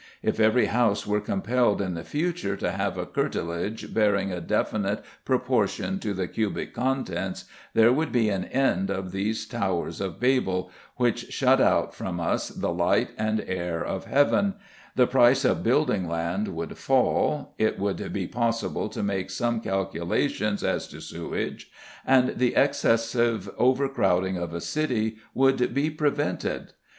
If every house were compelled in the future to have a curtilage bearing a definite proportion to the cubic contents, there would be an end of these towers of Babel, which shut out from us the light and air of heaven; the price of building land would fall; it would be possible to make some calculations as to sewage; and the excessive overcrowding of a city would be prevented.